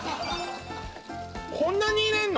こんなに入れんの？